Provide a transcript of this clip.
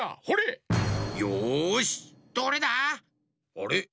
あれ？